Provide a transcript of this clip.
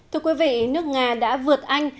thưa quý vị nước nga đã vượt anh